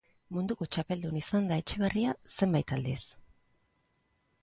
Munduko txapeldun izan da Etxeberria zenbait aldiz.